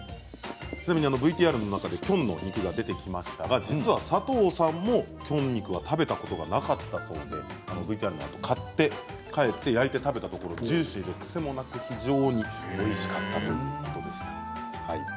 ちなみにＶＴＲの中でキョンの肉が出てきましたが実は佐藤さんもキョンの肉は食べたことがなかったそうで買って帰って焼いて食べたところジューシーで癖もなく非常においしかったということでした。